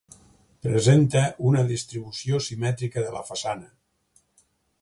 Presenta una distribució simètrica de la façana.